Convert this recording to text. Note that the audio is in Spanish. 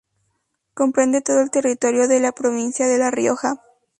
Comprende todo el territorio de la provincia de La Rioja.